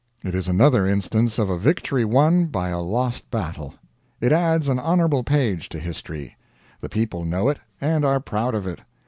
It is another instance of a victory won by a lost battle. It adds an honorable page to history; the people know it and are proud of it.